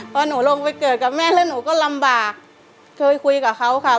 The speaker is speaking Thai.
พอหนูลงไปเกิดกับแม่แล้วหนูก็ลำบากเคยคุยกับเขาค่ะ